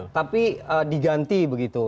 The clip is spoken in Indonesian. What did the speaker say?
tapi diganti begitu